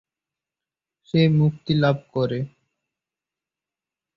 সে মুক্তিলাভ করে।